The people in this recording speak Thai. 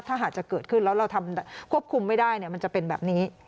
ถ้าหากจะเกิดขึ้นแล้วเราทำควบคุมไม่ได้มันจะเป็นแบบนี้